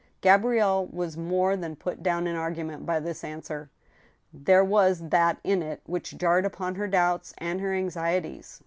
Gabrielle was more than put down in argument by this answer. There was that in it which jarred upon her doubts and her anxie ties.